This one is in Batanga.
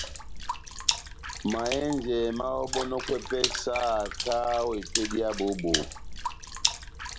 Mahɛ́njɛ máháhɔbɔnɔkwɛ pɛhɛ sahakahá ó epédi yá bohó-bohó.